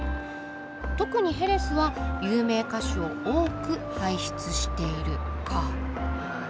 特にヘレスは有名歌手を多く輩出している」か。